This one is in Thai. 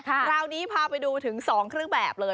คราวนี้พาไปดูถึง๒เครื่องแบบเลย